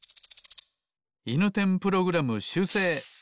いぬてんプログラムしゅうせい。